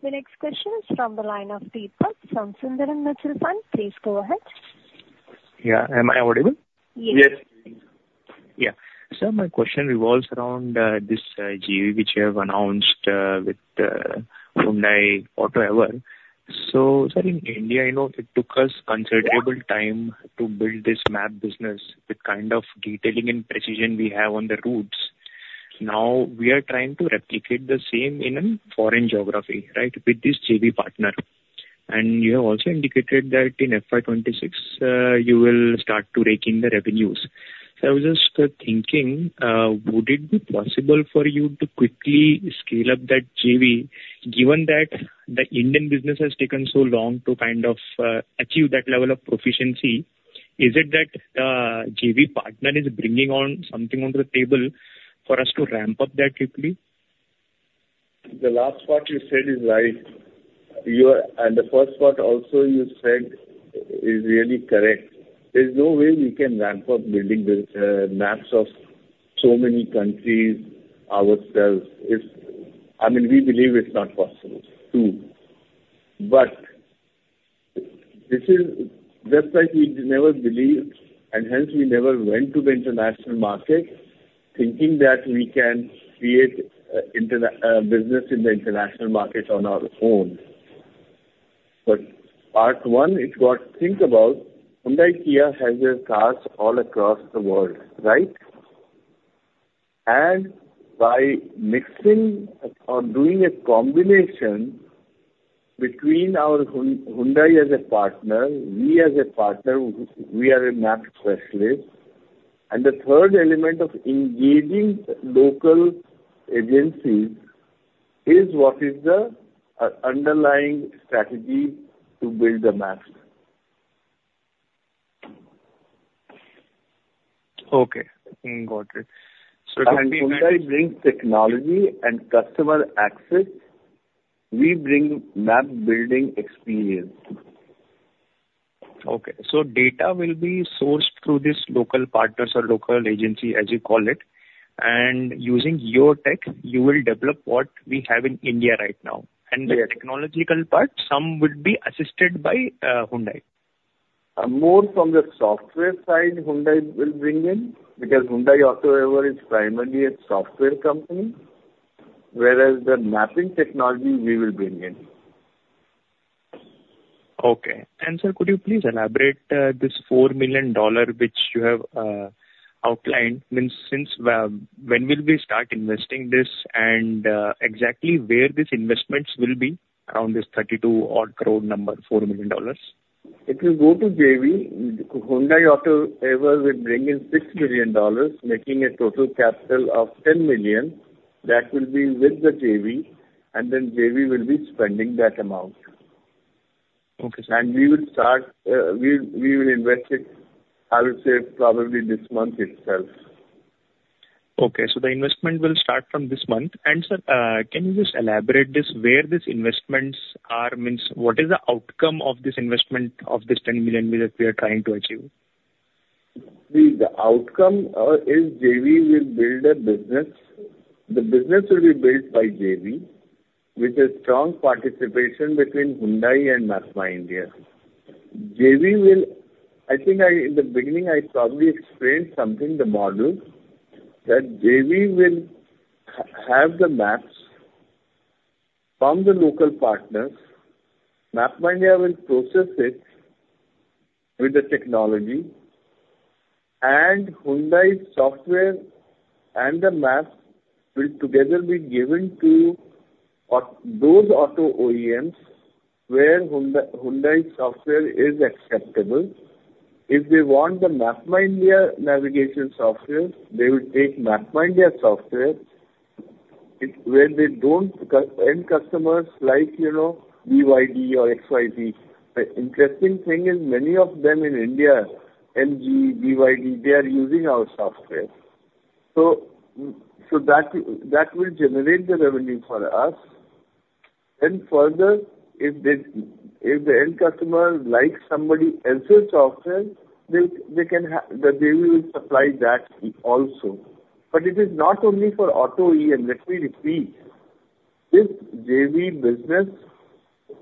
The next question is from the line of Deepak from Sundaram Mutual Fund. Please go ahead. Yeah. Am I audible? Yes. Yes. Yeah. Sir, my question revolves around this JV which you have announced with Hyundai AutoEver. So sir, in India, it took us considerable time to build this map business with kind of detailing and precision we have on the routes. Now, we are trying to replicate the same in a foreign geography, right, with this JV partner. And you have also indicated that in FY 2026, you will start to rake in the revenues. So I was just thinking, would it be possible for you to quickly scale up that JV, given that the Indian business has taken so long to kind of achieve that level of proficiency? Is it that the JV partner is bringing something to the table for us to ramp up that quickly? The last part you said is right. And the first part also you said is really correct. There's no way we can ramp up building maps of so many countries ourselves. I mean, we believe it's not possible too. But just like we never believed, and hence we never went to the international market, thinking that we can create a business in the international market on our own. But part one, if you think about Hyundai Kia has their cars all across the world, right? And by mixing or doing a combination between our Hyundai as a partner, we as a partner, we are a map specialist. And the third element of engaging local agencies is what is the underlying strategy to build the maps. Okay. Got it. So can we. Hyundai brings technology and customer access. We bring map-building experience. Okay. So data will be sourced through these local partners or local agency, as you call it. And using your tech, you will develop what we have in India right now. And the technological part, some would be assisted by Hyundai. More from the software side, Hyundai will bring in because Hyundai AutoEver is primarily a software company, whereas the mapping technology, we will bring in. Okay. And sir, could you please elaborate this $4 million which you have outlined? When will we start investing this and exactly where these investments will be around this 32-odd crore number, $4 million? If you go to JV, Hyundai AutoEver will bring in $6 million, making a total capital of $10 million. That will be with the JV. And then JV will be spending that amount. And we will invest it, I would say, probably this month itself. Okay. So the investment will start from this month, and sir, can you just elaborate this? Where these investments are, means what is the outcome of this investment of this $10 million that we are trying to achieve? The outcome is JV will build a business. The business will be built by JV with a strong participation between Hyundai and MapmyIndia. I think in the beginning, I probably explained something, the model, that JV will have the maps from the local partners. MapmyIndia will process it with the technology. And Hyundai software and the maps will together be given to those auto OEMs where Hyundai software is acceptable. If they want the MapmyIndia navigation software, they will take MapmyIndia software where they don't end customers like BYD or XYZ. The interesting thing is many of them in India, MG, BYD, they are using our software. So that will generate the revenue for us. And further, if the end customer likes somebody else's software, the JV will supply that also. But it is not only for auto OEM. Let me repeat. This JV business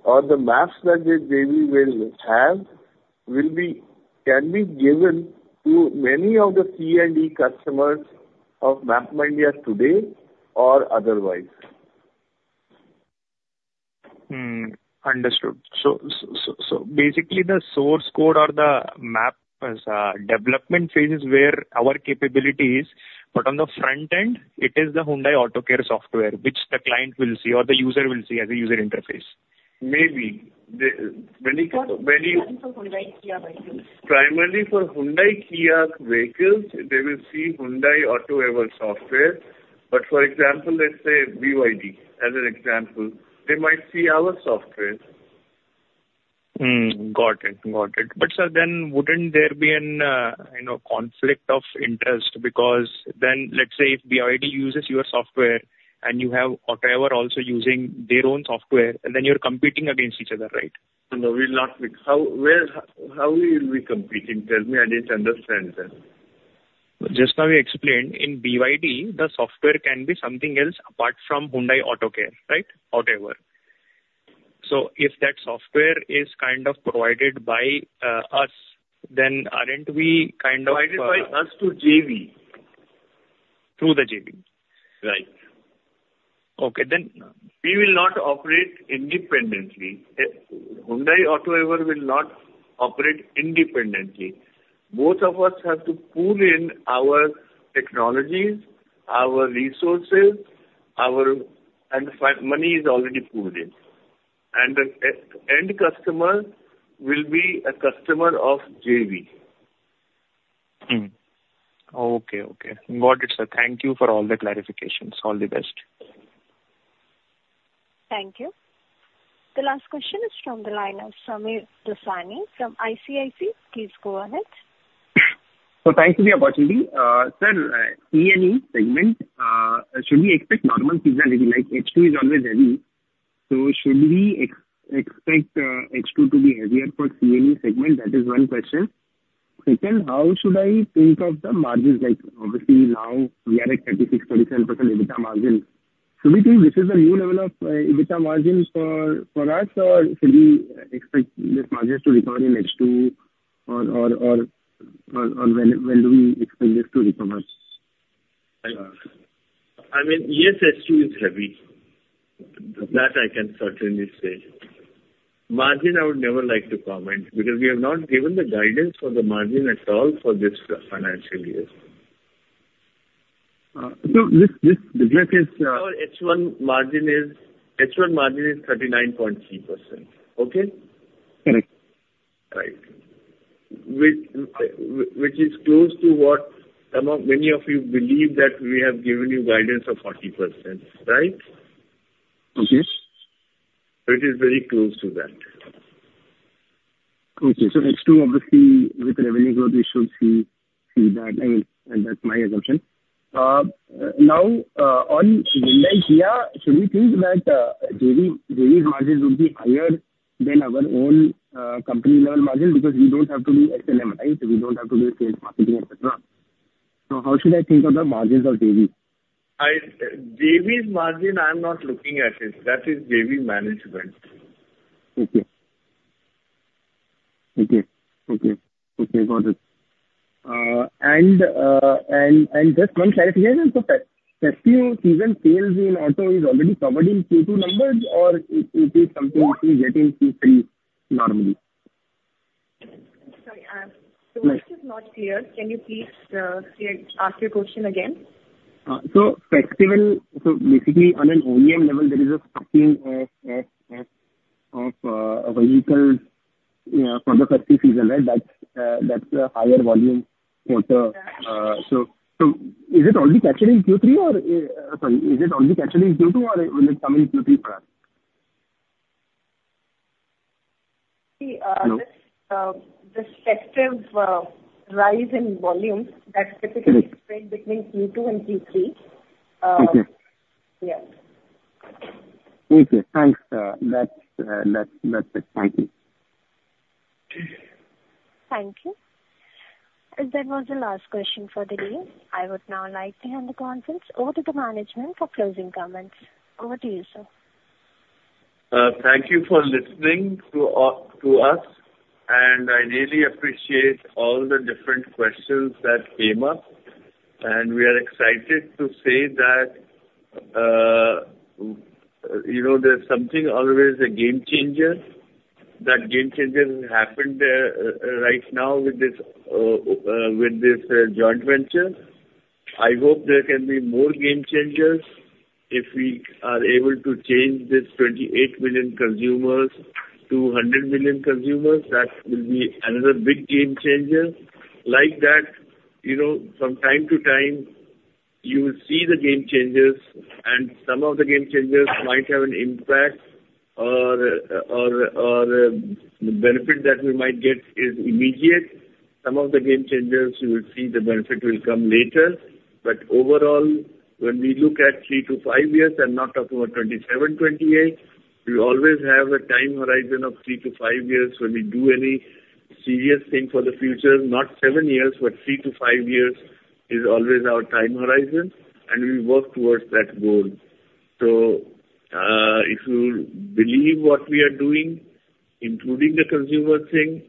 or the maps that this JV will have can be given to many of the C&E customers of MapmyIndia, India today or otherwise. Understood. So basically, the source code or the map development phase is where our capability is. But on the front end, it is the Hyundai AutoEver software which the client will see or the user will see as a user interface. Maybe. When you. Primarily for Hyundai Kia vehicles, they will see Hyundai AutoEver software. But for example, let's say BYD, as an example, they might see our software. Got it. Got it. But sir, then wouldn't there be a conflict of interest? Because then let's say if BYD uses your software and you have AutoEver also using their own software, then you're competing against each other, right? No, we're not. How will we be competing? Tell me. I didn't understand that. Just now you explained, in BYD, the software can be something else apart from Hyundai AutoEver, right? AutoEver. So if that software is kind of provided by us, then aren't we kind of. Provided by us to JV. Through the JV. Right. Okay. Then we will not operate independently. Hyundai AutoEver will not operate independently. Both of us have to pull in our technologies, our resources, and money is already pulled in. And the end customer will be a customer of JV. Okay. Okay. Got it, sir. Thank you for all the clarifications. All the best. Thank you. The last question is from the line of [Shobit Singhal] from ICICI Securities. Please go ahead. So thanks for the opportunity. Sir, C&E segment, should we expect normal season? H2 is always heavy. So should we expect H2 to be heavier for C&E segment? That is one question. Second, how should I think of the margins? Obviously, now we are at 36%-37% EBITDA margin. Should we think this is the new level of EBITDA margin for us, or should we expect this margin to recover in H2, or when do we expect this to recover? I mean, yes, H2 is heavy. That I can certainly say. Margin, I would never like to comment because we have not given the guidance for the margin at all for this financial year. This business is. H1 margin is 39.3%. Okay? Correct. Right. Which is close to what many of you believe that we have given you guidance of 40%, right? Okay. So it is very close to that. Okay. So H2, obviously, with the revenue growth, we should see that. I mean, that's my assumption. Now, on Hyundai Kia, should we think that JV's margins would be higher than our own company-level margin? Because we don't have to do S&M, right? We don't have to do sales marketing, etc. So how should I think of the margins of JV? JV's margin, I'm not looking at it. That is JV management. Okay. Got it. And just one clarification for CFO, EV sales in auto is already covered in Q2 numbers, or it is something we get in Q3 normally? Sorry. The question is not clear. Can you please ask your question again? So basically, on an OEM level, there is a stocking of vehicles for the first season, right? That's the higher volume quarter. So is it already captured in Q3, or sorry, is it already captured in Q2, or will it come in Q3 for us? See, this festive rise in volume, that's typically explained between Q2 and Q3. Okay. Okay. Thanks, sir. That's it. Thank you. Thank you. That was the last question for the day. I would now like to hand the conference over to the management for closing comments. Over to you, sir. Thank you for listening to us. And I really appreciate all the different questions that came up. And we are excited to say that there's something always a game changer. That game changer happened right now with this joint venture. I hope there can be more game changers if we are able to change this 28 million consumers to 100 million consumers. That will be another big game changer. Like that, from time to time, you will see the game changers. And some of the game changers might have an impact or the benefit that we might get is immediate. Some of the game changers, you will see the benefit will come later. But overall, when we look at three to five years, I'm not talking about 2027-2028, we always have a time horizon of three to five years when we do any serious thing for the future. Not seven years, but three to five years is always our time horizon. And we work towards that goal. So if you believe what we are doing, including the consumer thing,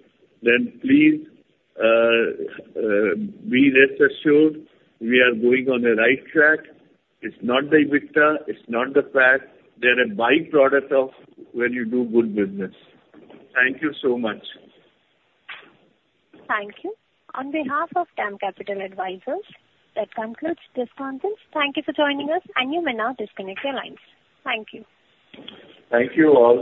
then please be rest assured we are going on the right track. It's not the EBITDA. It's not the fact that a byproduct of when you do good business. Thank you so much. Thank you. On behalf of DAM Capital Advisors, that concludes this conference. Thank you for joining us. And you may now disconnect your lines. Thank you. Thank you all.